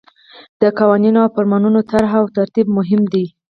د قوانینو او فرمانونو طرح او ترتیب مهم دي.